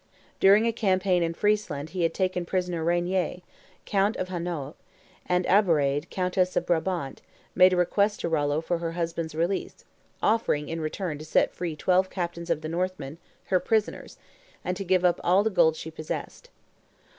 During a campaign in Friesland he had taken prisoner Rainier, count of Hainault; and Alberade, countess of Brabant, made a request to Rollo for her husband's release, offering in return to set free twelve captains of the Northmen, her prisoners, and to give up all the gold she possessed.